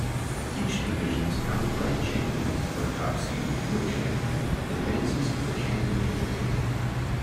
Each division's outright champion or top-seeded co-champion advances to the championship game.